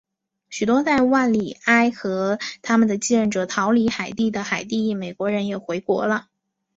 许多在瓦利埃和他们的继任者逃离海地的海地裔美国人也回国了。